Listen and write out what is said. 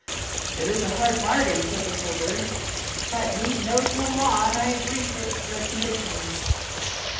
"It is a hard bargain," said the soldier, "but need knows no law, and I agree to the conditions."